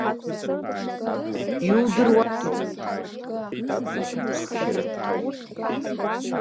Иудыруазеи ихәарҭоу, иҵоуроу акы сзыҟаҵар ҳәагьы дгәыӷуеит.